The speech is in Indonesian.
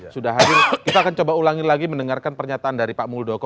sudah hadir kita akan coba ulangi lagi mendengarkan pernyataan dari pak muldoko